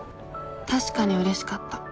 確かにうれしかった。